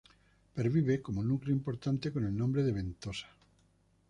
Pervive como núcleo importante con el nombre de Ventosa.